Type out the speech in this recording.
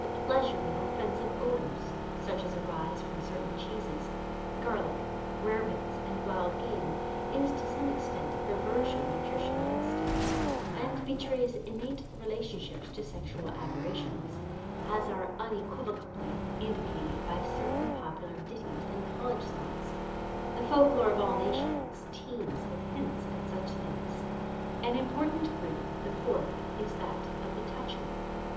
The pleasure in offensive odours, such as arise from certain cheeses, garlic, rarebits, and wild game is to some extent a perversion nutritional instinct and betrays innate relationships to sexual aberrations, as are unequivocally indicated by certain popular ditties and college songs. The folk lore of all nations teems with hints at such things. An important group, the fourth, is that of the "toucher."